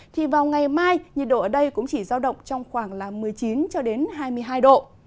thì vào ngày mai nhiệt độ ở đây cũng chỉ giao động trong khoảng một mươi chín cho đến hai mươi hai độ